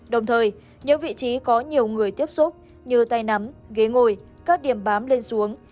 đồng thời những vị trí có nhiều người tiếp xúc như tay nắm ghế ngồi các điểm bám lên xuống